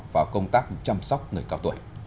vào công tác chăm sóc người cao tuổi